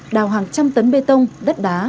đào hàng trăm tấn bê tông đất đá